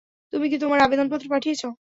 তুমি কি তোমার আবেদনপত্র পাঠিয়েছ?